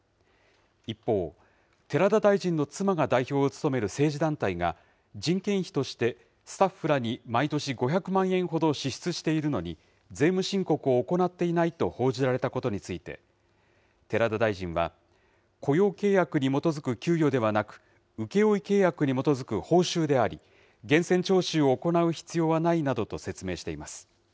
一方、寺田大臣の妻が代表を務める政治団体が、人件費としてスタッフらに毎年５００万円ほど支出しているのに、税務申告を行っていないと報じられたことについて、寺田大臣は、雇用契約に基づく給与ではなく、請負契約に基づく報酬であり、源泉徴収を行う必要はないなどと説明しています。